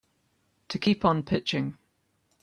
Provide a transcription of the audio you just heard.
To keep on pitching.